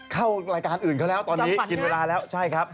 เข้ารายการอื่นเขาแล้วตอนนี้กินเวลาแล้วใช่ครับ